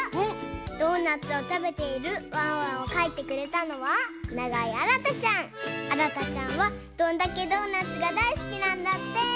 ドーナツをたべているワンワンをかいてくれたのはあらたちゃんは「どんだけドーナツ！？」がだいすきなんだって！